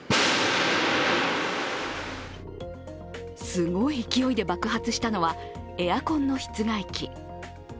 すごい勢いで爆発したのはエアコンの室外機。